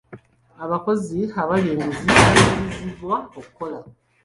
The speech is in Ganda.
Abakozi abalya nguzi baayimiriziddwa okukola.